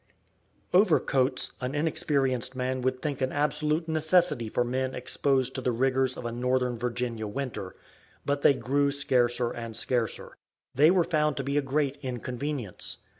Overcoats an inexperienced man would think an absolute necessity for men exposed to the rigors of a northern Virginia winter, but they grew scarcer and scarcer; they were found to be a great inconvenience.